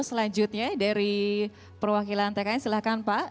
selanjutnya dari perwakilan tkn silahkan pak